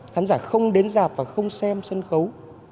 khán giả không đến dạp và không xem sân khấu